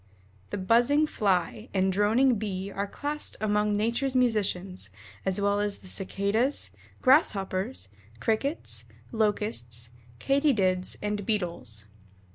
The "buzzing Fly" and "droning Bee" are classed among nature's musicians, as well as the Cicadas, Grasshoppers, Crickets, Locusts, Katydids, and Beetles.